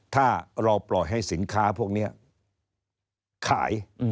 ถ้าเราปล่อยให้สินค้าพวกนี้ขาย